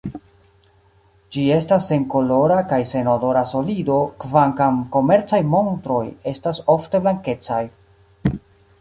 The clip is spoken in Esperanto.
Ĝi estas senkolora kaj senodora solido, kvankam komercaj montroj estas ofte blankecaj.